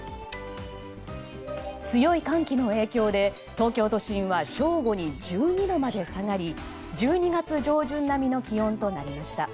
強い寒気の影響で東京都心は正午に１２度まで下がり１２月上旬並みの気温となりました。